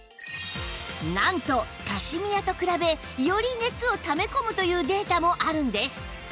なんとカシミヤと比べより熱をため込むというデータもあるんです